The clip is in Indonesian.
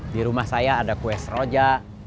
di rumah saya ada kue seroja